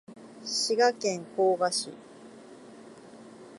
滋賀県甲賀市